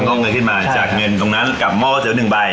อกเงินขึ้นมาจากเงินตรงนั้นกับหม้อก๋วหนึ่งใบ